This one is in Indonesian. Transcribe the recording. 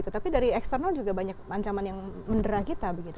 tapi dari eksternal juga banyak ancaman yang menerah kita